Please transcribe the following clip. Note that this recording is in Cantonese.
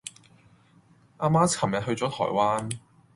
阿媽琴日去左台灣